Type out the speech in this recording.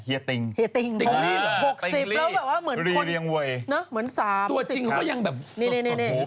เฮียติงเหรียงเวยตัวจริงก็ยังแบบนี่